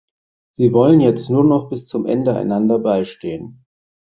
Sie wollen jetzt nur noch bis zum Ende einander beistehen.